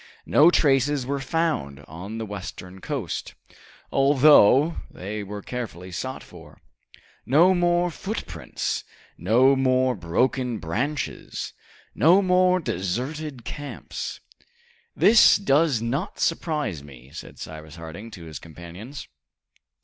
No traces were found on the western coast, although they were carefully sought for. No more footprints, no more broken branches, no more deserted camps. "This does not surprise me," said Cyrus Harding to his companions.